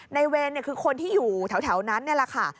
ในเวรคือคนที่อยู่แถวนั้นนี่แหละค่ะ